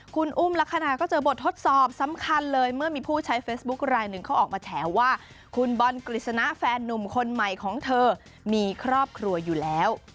คุณอุ้มลักษณะก็เจอบททดสอบสำคัญเลยเมื่อมีผู้ใช้เฟซบุ๊คลายหนึ่งเขาออกมาแฉว่าคุณบอลกฤษณะแฟนนุ่มคนใหม่ของเธอมีครอบครัวอยู่แล้ว